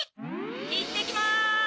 いってきます！